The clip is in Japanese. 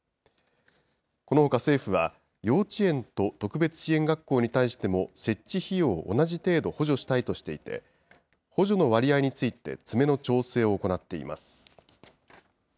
このほか政府は、幼稚園と特別支援学校に対しても、設置費用を同じ程度、補助したいとしていて、補助の割合について詰めの調整を行っています。